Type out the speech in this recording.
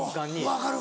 分かる。